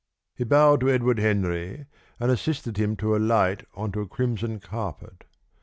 He bowed to Edward Henry, and assisted him to alight on to a crimson carpet.